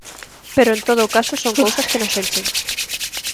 Pero en todo caso son cousas que nos enchen.